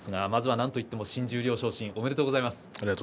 なんといっても新十両昇進おめでとうございます。